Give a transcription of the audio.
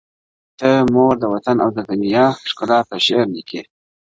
ته مور، وطن او د دنيا ښكلا ته شعر ليكې.